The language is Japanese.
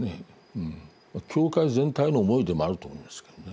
協会全体の思いでもあると思いますけどね。